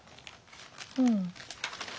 うん。